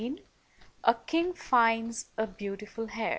101 A KING FINDS A BEAUTIFUL HAIR.